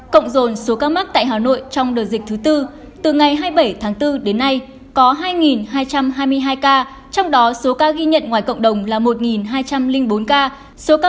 cộng dồn số ca mắc tại hà nội trong đợt dịch thứ bốn từ ngày hai mươi bảy tháng bốn đến nay có hai hai trăm hai mươi hai ca trong đó số ca ghi nhận ngoài cộng đồng là một hai trăm linh bốn ca số ca mắc đã cách ly là một một mươi tám ca